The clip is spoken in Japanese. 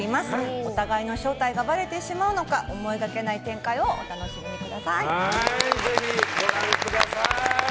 お互いの正体がばれてしまうのか思いがけない展開をぜひご覧ください。